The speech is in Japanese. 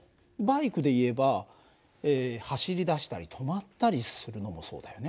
バイクでいえば走り出したり止まったりするのもそうだよね。